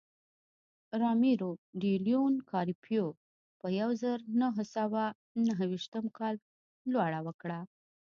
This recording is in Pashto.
رامیرو ډي لیون کارپیو په یوه زرو نهه سوه نهه ویشتم کال لوړه وکړه.